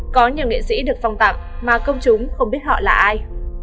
có nhiều nghệ sĩ được phong tặng mà công chúng không biết họ là ai